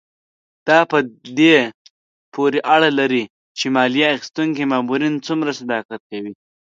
دا په دې پورې اړه لري چې مالیه اخیستونکي مامورین څومره صداقت کوي.